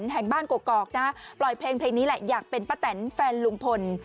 แห่งบ้านกกอกนะปล่อยเพลงเพลงนี้แหละอยากเป็นป้าแตนแฟนลุงพล